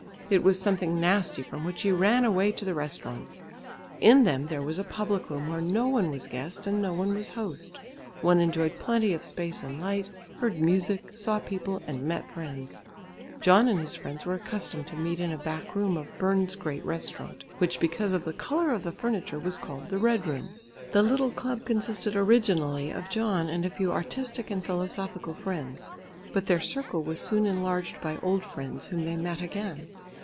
It was something nasty from which he ran away to the restaurants. In them there was a public room where no one was guest and no one was host: one enjoyed plenty of space and light, heard music, saw people and met friends. John and his friends were accustomed to meet in a back room of Bern's great restaurant which, because of the colour of the furniture, was called the "red room." The little club consisted originally of John and a few artistic and philosophical friends. But their circle was soon enlarged by old friends whom they met again.